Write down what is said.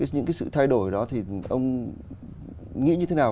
những cái sự thay đổi đó thì ông nghĩ như thế nào